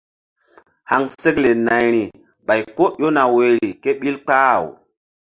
Haŋsekle nayri ɓay ko ƴona woyri ké ɓil kpah-aw.